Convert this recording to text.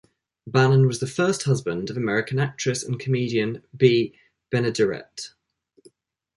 Bannon was the first husband of American actress and comedian Bea Benaderet.